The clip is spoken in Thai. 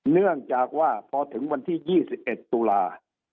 เนื่องจากว่าพอถึงวันที่๒๑ตุลา